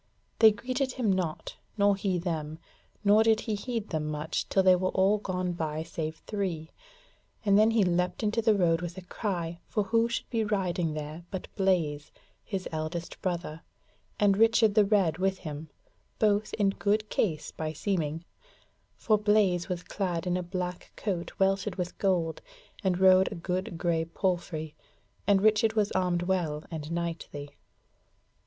They greeted him not, nor he them, nor did he heed them much till they were all gone by save three, and then he leapt into the road with a cry, for who should be riding there but Blaise, his eldest brother, and Richard the Red with him, both in good case by seeming; for Blaise was clad in a black coat welted with gold, and rode a good grey palfrey, and Richard was armed well and knightly.